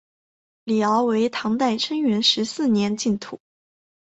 李翱为唐代贞元十四年进士。